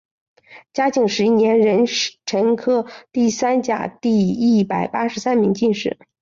嘉靖十一年壬辰科第三甲第一百八十三名进士。